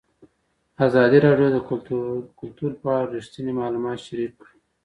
ازادي راډیو د کلتور په اړه رښتیني معلومات شریک کړي.